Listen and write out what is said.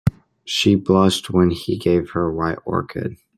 She blushed when he gave her a white orchid.